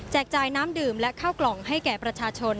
จ่ายน้ำดื่มและข้าวกล่องให้แก่ประชาชน